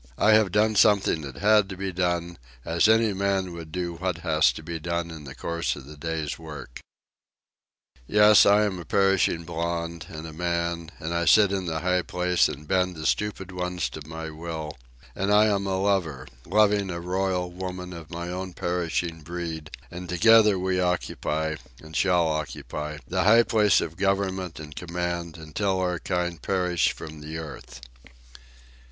I have done something that had to be done, as any man will do what has to be done in the course of the day's work. Yes, I am a perishing blond, and a man, and I sit in the high place and bend the stupid ones to my will; and I am a lover, loving a royal woman of my own perishing breed, and together we occupy, and shall occupy, the high place of government and command until our kind perish from the earth.